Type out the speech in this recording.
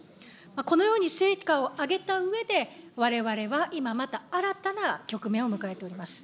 このように成果を上げたうえで、われわれは今また新たな局面を迎えております。